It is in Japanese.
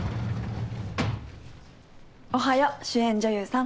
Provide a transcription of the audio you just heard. おはよう主演女優さん。